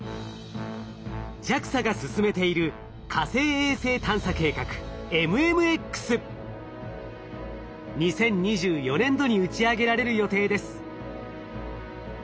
ＪＡＸＡが進めている２０２４年度に打ち上げられる予定です。